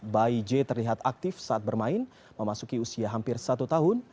bayi j terlihat aktif saat bermain memasuki usia hampir satu tahun